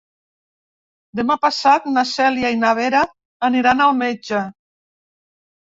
Demà passat na Cèlia i na Vera aniran al metge.